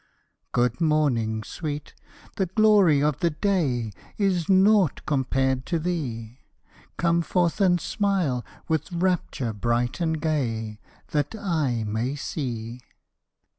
Good morning, sweet! the glory of the day Is naught compared to thee; Come forth and smile, with rapture bright and gay, That I may see.